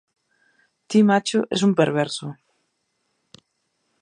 _Ti, macho, es un perverso.